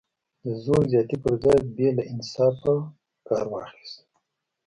د زور زیاتي پر ځای یې له انصاف کار واخیست.